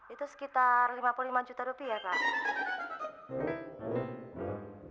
itu sekitar lima puluh lima juta rupiah pak